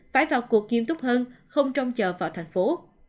phải vào cuộc nghiêm túc hơn không trông chờ vào thành phố